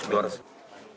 dua orang sih